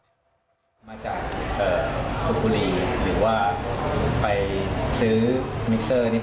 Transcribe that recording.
ตบหัวไปแต่ว่าไม่โดนครับ